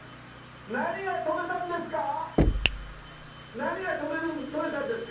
何が取れたんですか？